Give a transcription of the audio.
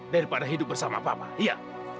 daripada hidup bersama papa iya